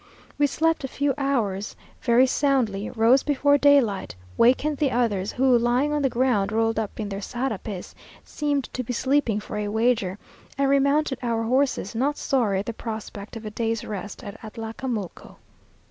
We slept a few hours very soundly, rose before daylight, wakened the others, who, lying on the ground, rolled up in their sarapes, seemed to be sleeping for a wager, and remounted our horses, not sorry at the prospect of a day's rest at Atlacamulco.